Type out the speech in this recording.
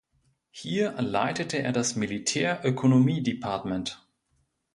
Hier leitete er das Militär-Ökonomiedepartment.